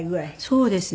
そうですね。